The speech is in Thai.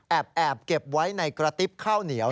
แอบเก็บไว้ในกระติ๊บข้าวเหนียว